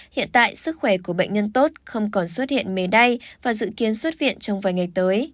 hiện tại sức khỏe của bệnh nhân tốt không còn xuất hiện mề đay và dự kiến xuất viện trong vài ngày tới